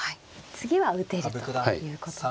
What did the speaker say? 次は打てるということですがで